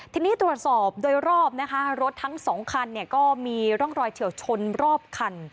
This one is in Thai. ทีนี้ตรวจสอบโดยรอบนะคะรถทั้งสองคันเนี่ยก็มีร่องรอยเฉียวชนรอบคัน